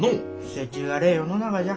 せちがれえ世の中じゃ。